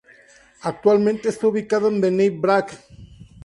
Actualmente está ubicada en Bnei Brak.